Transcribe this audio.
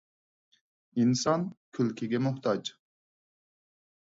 ئىنسان كۈلكىگە موھتاج.